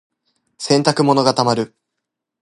洗濯物が溜まる。